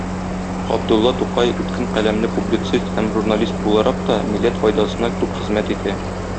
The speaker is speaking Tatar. Габдулла Тукай үткен каләмле публицист һәм журналист буларак та милләт файдасына күп хезмәт итә.